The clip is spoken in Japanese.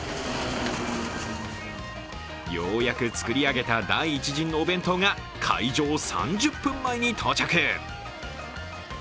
ようやく作り上げた第１陣のお弁当が開場３０分前に到着。